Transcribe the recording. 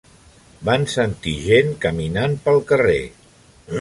Van sentir gent caminant pel carrer.